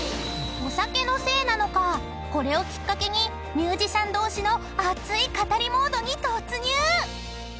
［お酒のせいなのかこれをきっかけにミュージシャン同士の熱い語りモードに突入！］